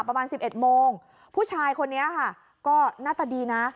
ประมาณสิบเอ็ดโมงผู้ชายคนนี้ค่ะก็หน้าตาดีนะ